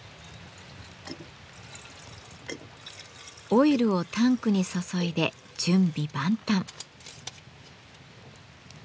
オイルをタンクに注いで準備万端。